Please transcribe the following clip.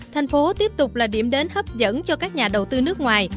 thành phố tiếp tục là điểm đến hấp dẫn cho các nhà đầu tư nước ngoài